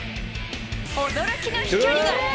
驚きの飛距離が。